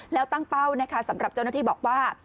แล้วตั้งเป้านะคะสำหรับเจ้าหน้าที่บอกว่า